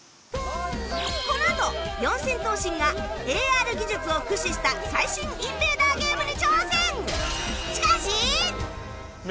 このあと四千頭身が ＡＲ 技術を駆使した最新インベーダーゲームに挑戦！